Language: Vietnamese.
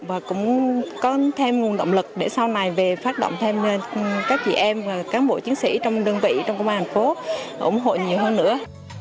và cũng có thêm nguồn động lực để sau này về phát động thêm các chị em và cán bộ chiến sĩ trong đơn vị trong công an thành phố ủng hộ nhiều hơn nữa